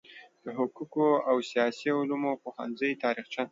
د حقوقو او سیاسي علومو پوهنځي تاریخچه